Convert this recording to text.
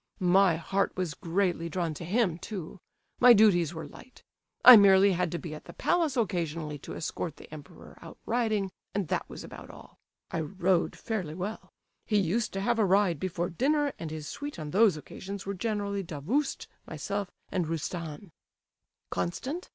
My heart was greatly drawn to him, too. My duties were light. I merely had to be at the palace occasionally to escort the Emperor out riding, and that was about all. I rode very fairly well. He used to have a ride before dinner, and his suite on those occasions were generally Davoust, myself, and Roustan." "Constant?"